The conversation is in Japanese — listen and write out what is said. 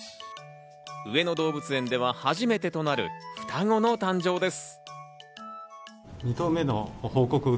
上野動物園では初めてとなる双子の誕生です。